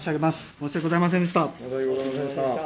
申し訳ございませんでした。